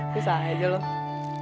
gak salah lo jadi besti gue